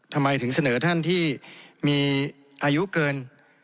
ทำไมถึงเสนอท่านที่มีอายุเกิน